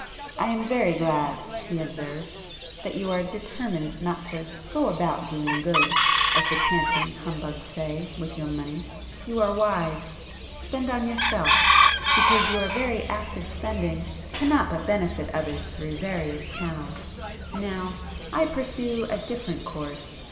"I am very glad," he observed, "that you are determined not to 'go about doing good' as the canting humbugs say, with your money. You are wise. Spend on yourself,—because your very act of spending cannot but benefit others through various channels. Now I pursue a different course.